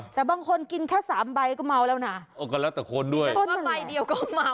แต่บางคนกินแค่สามใบก็เมาแล้วนะโอ้ก็แล้วแต่คนด้วยเพราะว่าใบเดียวก็เมา